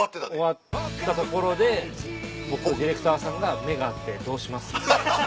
終わったところで僕とディレクターさんが目が合って「どうします？」。